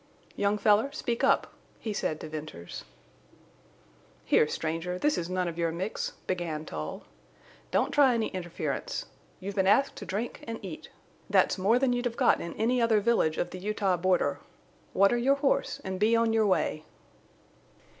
"Young feller, speak up," he said to Venters. "Here stranger, this's none of your mix," began Tull. "Don't try any interference. You've been asked to drink and eat. That's more than you'd have got in any other village of the Utah border. Water your horse and be on your way."